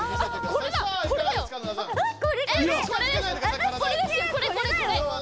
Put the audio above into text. これだこれ。